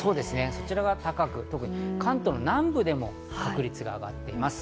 そちらが特に高く、関東の南部でも確率が上がっています。